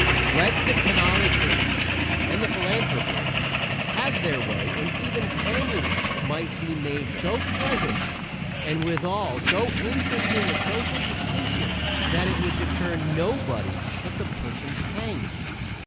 Let the penologers and philanthropers have their way and even hanging might be made so pleasant and withal so interesting a social distinction that it would deter nobody but the person hanged.